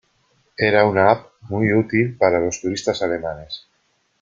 Era una app muy útil para los turistas alemanes.